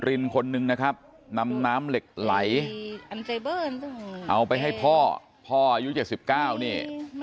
รินคนนึงนะครับนำน้ำเหล็กไหลเอาไปให้พ่อพ่ออายุ๗๙นี่